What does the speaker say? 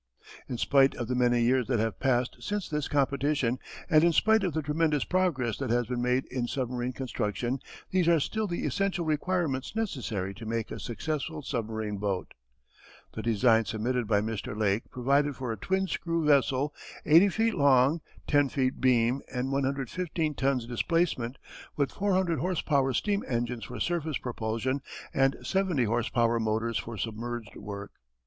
In spite of the many years that have passed since this competition and in spite of the tremendous progress that has been made in submarine construction these are still the essential requirements necessary to make a successful submarine boat. The designs submitted by Mr. Lake provided for a twin screw vessel, 80 feet long, 10 feet beam, and 115 tons displacement, with 400 horse power steam engines for surface propulsion and 70 horse power motors for submerged work.